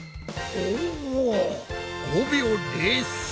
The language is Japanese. おぉ５秒０３！